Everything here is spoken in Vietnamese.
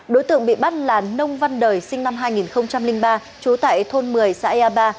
đối tượng bị bắt là nông văn đời sinh năm hai nghìn ba trú tại thôn một mươi xã ea ba